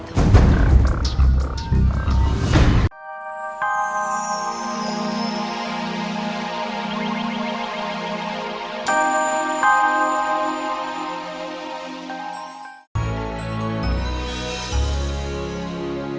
tidak ada yang bisa dihukum